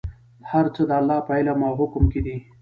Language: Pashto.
هر څه د الله په علم او حکم کې دي.